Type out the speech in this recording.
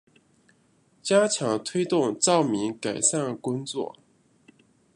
加强推动照明改善工作